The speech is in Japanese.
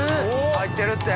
入ってるって。